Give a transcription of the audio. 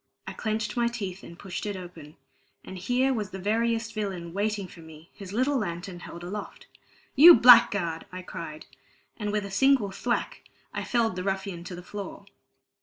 I clenched my teeth and pushed it open; and here was the veriest villain waiting for me, his little lantern held aloft. "You blackguard!" I cried, and with a single thwack I felled the ruffian to the floor.